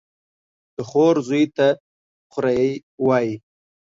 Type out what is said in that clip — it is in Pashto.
د خور زوى ته خوريه وايي.